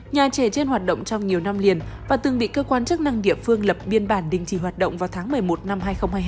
nhà trẻ trên hoạt động trong nhiều năm liền và từng bị cơ quan chức năng địa phương lập biên bản đình chỉ hoạt động vào tháng một mươi một năm hai nghìn hai mươi hai